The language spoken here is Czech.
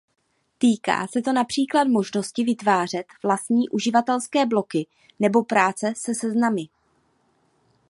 Týká se to například možnosti vytvářet vlastní uživatelské bloky nebo práce se seznamy.